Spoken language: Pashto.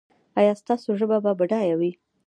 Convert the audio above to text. ایا ستاسو ژبه به بډایه وي؟